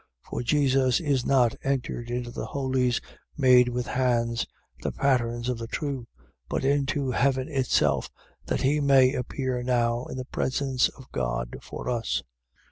9:24. For Jesus is not entered into the Holies made with hands, the patterns of the true: but into Heaven itself, that he may appear now in the presence of God for us.